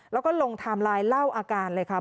แล้วก็ลงไทม์ไลน์เล่าอาการเลยค่ะ